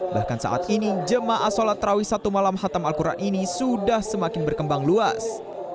bahkan saat ini jemaah sholat terawih satu malam hatam al quran ini sudah semakin berkembang luas